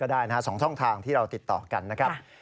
ก็ได้๒ท่องทางที่เราติดต่อกันนะครับ